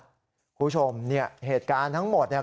คุณผู้ชมเนี่ยเหตุการณ์ทั้งหมดเนี่ย